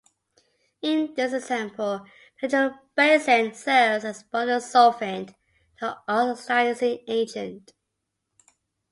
In this example, nitrobenzene serves as both the solvent and the oxidizing agent.